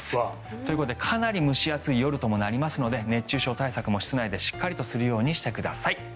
ということでかなり寝苦しい夜となりますので熱中症対策も室内でしっかりするようにしてください。